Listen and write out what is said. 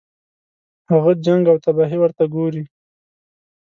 هغه جنګ او تباهي ورته ګوري.